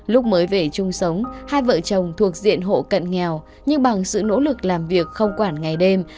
lúc mới về chung sống hai vợ chồng thuộc diện hộ cận nghèo nhưng bằng sự nỗ lực làm việc không quản ngày đêm